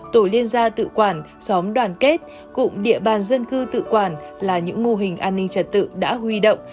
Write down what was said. tổ liên gia tự quản xóm đoàn kết cụm địa bàn dân cư tự quản là những mô hình an ninh trật tự đã huy động